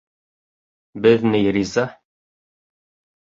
— Беҙ ни риза.